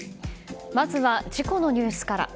まずは事故のニュースから。